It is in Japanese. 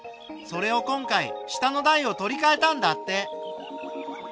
それを今回下の台を取りかえたんだって。